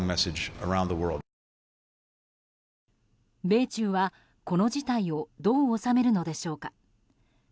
米中は、この事態をどう収めるのでしょうか。